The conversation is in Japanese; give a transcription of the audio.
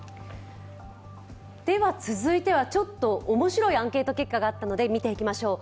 続いてはちょっと面白いアンケート結果があったので見ていきましょう。